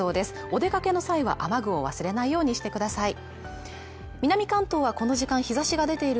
お出かけの際は雨具を忘れないようにしてください